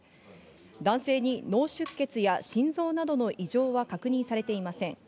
男性に脳出血や心臓などの異常は確認されていません。